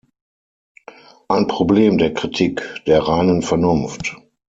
Ein Problem der „Kritik der reinen Vernunft“".